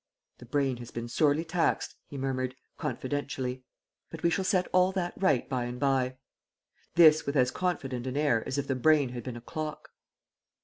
"The brain has been sorely taxed," he murmured, confidentially; "but we shall set all that right by and by." This with as confident an air as if the brain had been a clock.